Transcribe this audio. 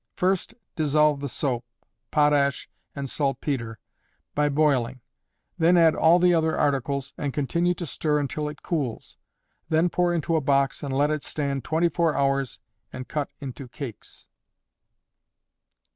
First dissolve the soap, potash and saltpetre, by boiling; then add all the other articles, and continue to stir until it cools; then pour into a box and let it stand twenty four hours and cut into cakes.